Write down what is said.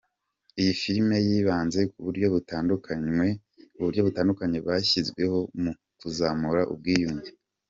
Iyi filime yibanze ku buryo butandukanye bwashyizweho mu kuzamura ubwiyunge.